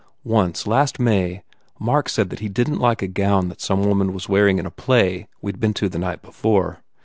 Once last May Mark said that he didn t like a gown that some woman was wear ing in a play we d been to the night before.